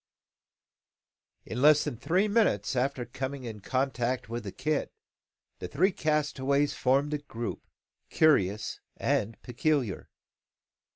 In less than three minutes after coming in contact with the kit, the three castaways formed a group, curious and peculiar.